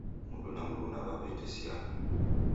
Mndu na mruna wawetesiana.